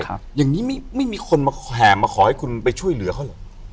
อย่างนี้ไม่ไม่มีคนมาแห่มาขอให้คุณไปช่วยเหลือเขาเหรอ